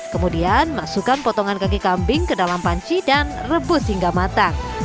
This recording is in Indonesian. kemudian masukkan potongan kaki kambing ke dalam panci dan rebus hingga matang